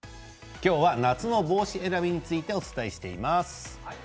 今日は夏の帽子選びについてお伝えしています。